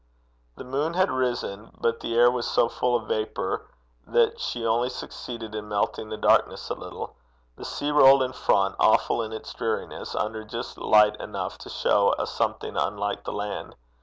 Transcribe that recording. The moon had risen, but the air was so full of vapour that she only succeeded in melting the darkness a little. The sea rolled in front, awful in its dreariness, under just light enough to show a something unlike the land.